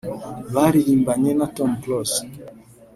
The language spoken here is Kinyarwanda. baririmbanye na Tom Close